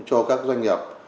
cho các doanh nghiệp